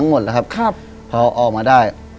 บิ้กออกมาได้